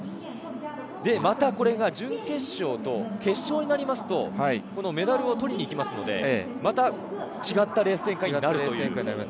これが準決勝と決勝になりますと、メダルを取りにいきますので、また違ったレース展開になるという。